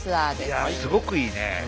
いやすごくいいね。